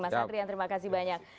mas andrian terima kasih banyak